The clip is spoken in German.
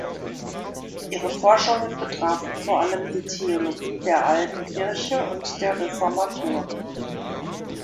Ihre Forschungen betrafen vor allem die Theologie der Alten Kirche und der Reformatoren.